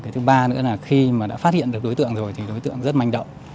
thứ ba nữa là khi mà đã phát hiện được đối tượng rồi thì đối tượng rất mạnh